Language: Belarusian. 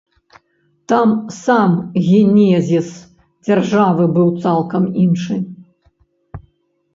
Там сам генезіс дзяржавы быў цалкам іншы.